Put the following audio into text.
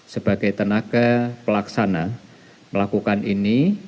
sebagai tenaga pelaksana melakukan ini